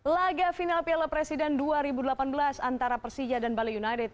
laga final piala presiden dua ribu delapan belas antara persija dan bali united